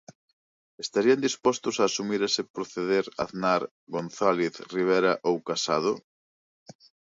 Estarían dispostos a asumir ese proceder Aznar, González, Rivera ou Casado?